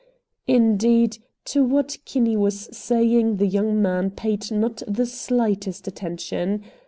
Indeed, to what Kinney was saying the young man paid not the slightest attention.